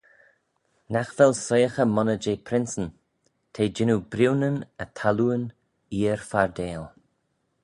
"Nagh vel soiaghey monney jeh princeyn; t'eh jannoo briwnyn y thallooin eer fardail."